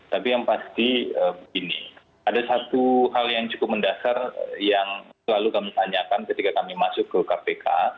tapi yang pasti begini ada satu hal yang cukup mendasar yang selalu kami tanyakan ketika kami masuk ke kpk